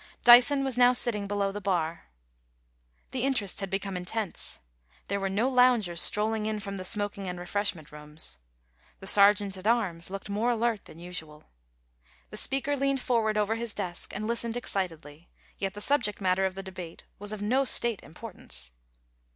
Dyson was now sitting below the bar. The interest had become intense. There were no loungers strolling in from the smoking and refreshment rooms. The Sergeant at Arms looked more alert than usual The Speaker leaned forward over his desk and listened ex citedly. Yet the subject matter of the debate was of no State importance.